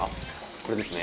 これですね。